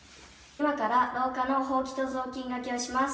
今からろう下のほうきとぞうきんがけをします。